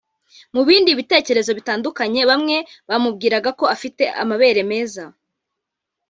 Mu bindi bitekerezo bitandukanye bamwe bamubwiraga ko afite amabere meza